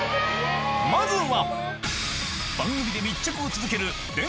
まずは！